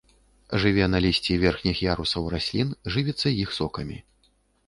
Жыве на лісці верхніх ярусаў раслін, жывіцца іх сокамі.